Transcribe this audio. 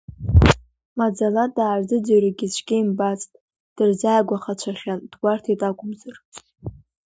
Маӡала даарзыӡырҩыргьы цәгьа имбазт, дырзааигәахацәахьан, дгәарҭеит акәымзар.